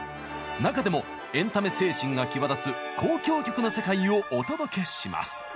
中でもエンタメ精神が際立つ「交響曲」の世界をお届けします。